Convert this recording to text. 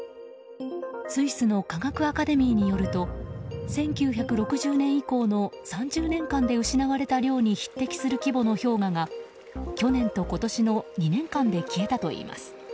スイスの科学アカデミーによると１９６０年以降の３０年間で失われた量に匹敵する量の氷河が去年と今年の２年間で消えたといいます。